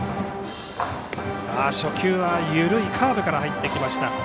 初球は緩いカーブから入ってきました。